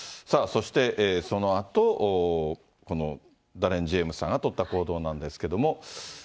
そして、そのあとこのダレン・ジェームズさんが取った行動なんですけれども。